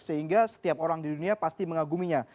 sehingga setiap orang di dunia pasti mengaguminya